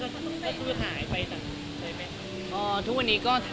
ครับครับครับครับครับครับครับครับครับครับครับครับครับครับครับ